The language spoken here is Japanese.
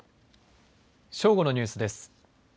正午のニュースです。